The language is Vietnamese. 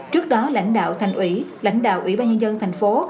trước đó lãnh đạo thành ủy lãnh đạo ủy ban nhân dân thành phố